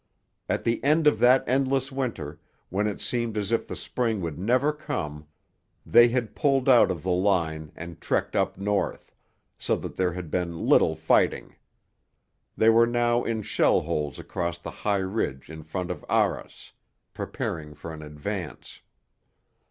At the end of that endless winter, when it seemed as if the spring would never come, they had pulled out of the line and 'trekked' up north, so that there had been little fighting. They were now in shell holes across the high ridge in front of Arras, preparing for an advance.